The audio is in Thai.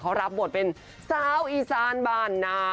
เขารับบทเป็นสาวอีสานบ้านนา